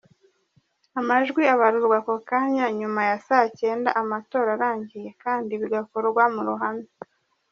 Amajwi abarurwa ako kanya nyuma ya saa cyenda amatora arangiye kandi bigakorwa mu ruhame.